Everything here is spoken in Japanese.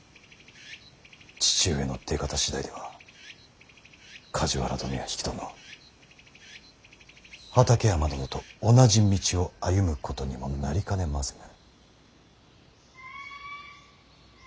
父上の出方次第では梶原殿や比企殿畠山殿と同じ道を歩むことにもなりかねません。